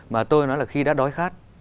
mà tôi nói là khi đã đói khát